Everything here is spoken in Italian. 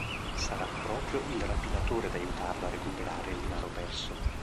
Sarà proprio il rapinatore ad aiutarlo a recuperare il denaro perso.